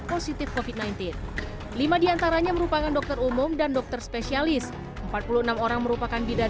positif covid sembilan belas lima diantaranya merupakan dokter umum dan dokter spesialis empat puluh enam orang merupakan bidan